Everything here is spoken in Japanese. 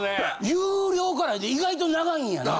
有料から意外と長いんやな。